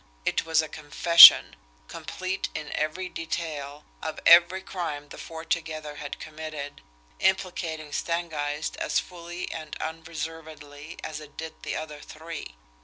It was a confession, complete in every detail, of every crime the four together had committed, implicating Stangeist as fully and unreservedly as it did the other three.